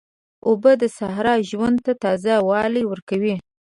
اوبه د صحرا ژوند ته تازه والی ورکوي.